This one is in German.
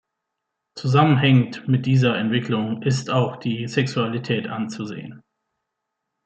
Zusammenhängend mit dieser Entwicklung ist auch die Sexualität anzusehen.